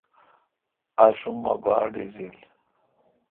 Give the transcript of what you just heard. آشم مہ باڑ ڈزیل۔